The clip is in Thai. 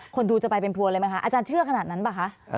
คนดูจะไปเป็นผัวเลยไหมคะอาจารย์เชื่อขนาดนั้นป่ะคะ